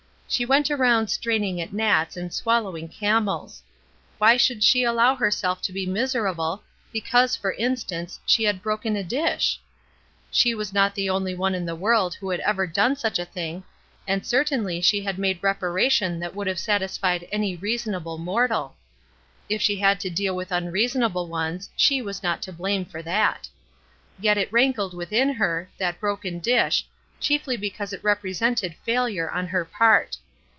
She went around straining at gnats and swallowing camels. Why should she allow herself to be miserable, because, for instance, she had broken a dish ? She was not the only one in the world who had ever done such a thing, and certainly she had made reparation that would have satisfied any reasonable mortal. If she had to deal with imreasonable ones, she was not to blame for that. Yet it rankled within her — that broken dish, chiefly because it represented failure on her part.